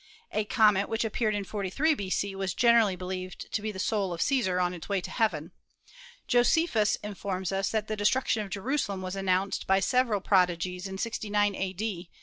A comet which ap peared in 43 b.c. was generally believed to be the soul of Caesar on its way to heaven. Josephus informs us that the destruction of Jerusalem was announced by several prod igies in 69 a.d.